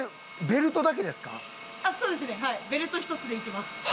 ベルト１つでいけます。